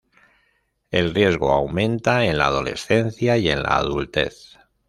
El riesgo aumenta en la adolescencia y en la adultez.